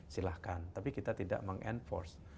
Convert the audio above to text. silahkan tapi kita tidak meng enforce